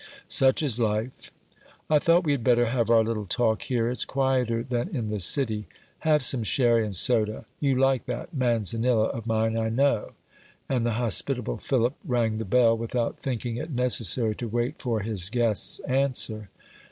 Such is life. I thought we had better have our little talk here; it's quieter than in the City. Have some sherry and soda; you like that Manzanilla of mine, I know." And the hospitable Philip rang the bell, without thinking it necessary to wait for his guest's answer.